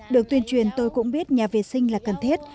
được tuyên truyền tôi cũng biết nhà vệ sinh là cần thiết